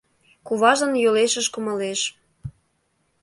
Куважлан йолешыж кумалеш